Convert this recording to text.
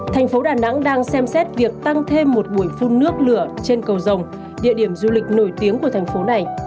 thành phố đà nẵng đang xem xét việc tăng thêm một buổi phun nước lửa trên cầu rồng địa điểm du lịch nổi tiếng của thành phố này